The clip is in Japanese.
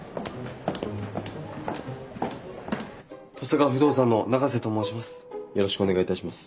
登坂不動産の永瀬と申します。